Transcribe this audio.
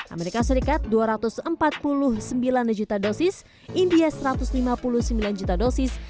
amerika serikat dua ratus empat puluh sembilan juta dosis india satu ratus lima puluh sembilan juta dosis